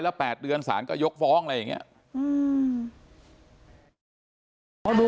แล้ว๘เดือนศาลก็ยกฟ้องอะไรอย่างนี้